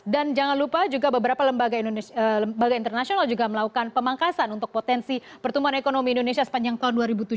jangan lupa juga beberapa lembaga internasional juga melakukan pemangkasan untuk potensi pertumbuhan ekonomi indonesia sepanjang tahun dua ribu tujuh belas